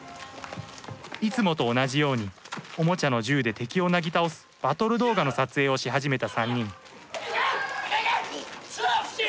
いつもと同じようにおもちゃの銃で敵をなぎ倒すバトル動画の撮影をし始めた３人いけ！